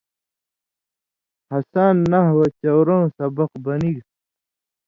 ہسان نحو چَورُوں سبق بنِگ